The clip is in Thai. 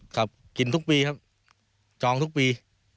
ครับกินทุกปีครับจองทุกปี